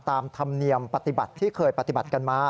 ตามธรรมเนียมปฏิบัติที่เคยปฏิบัติกันมา